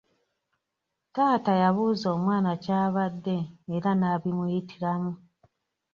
Taata yabuuza omwana ky’abadde era n'abimuyitiramu.